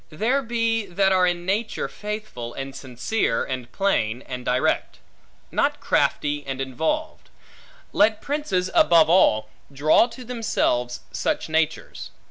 There be, that are in nature faithful, and sincere, and plain, and direct; not crafty and involved; let princes, above all, draw to themselves such natures.